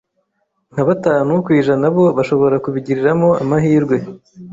nka batanu kwijana bo bashobora kubigiriramo amahirwe,